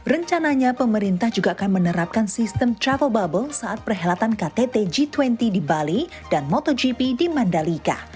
rencananya pemerintah juga akan menerapkan sistem travel bubble saat perhelatan ktt g dua puluh di bali dan motogp di mandalika